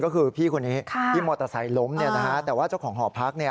ก็คือพี่คนนี้ที่มอเตอร์ไซล์ล้มเนี่ยนะคะแต่ว่าเจ้าของหอพักเนี่ย